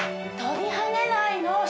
跳びはねないの。